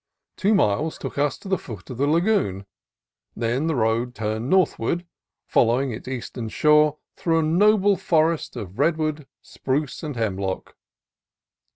Two miles took us to the foot of the lagoon: then the road turned northward, following its eastern shore through a noble forest of redwood, spruce, and hemlock.